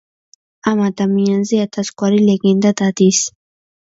ამ ადამიანზე ათასგვარი ლეგენდა დადის.